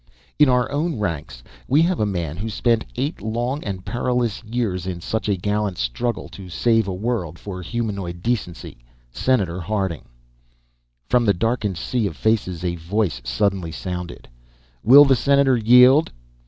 In our own ranks, we have a man who spent eight long and perilous years in such a gallant struggle to save a world for humanoid decency. Senator Harding " From the darkened sea of faces, a voice suddenly sounded. "Will the senator yield?"